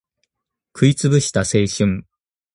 食い潰した青春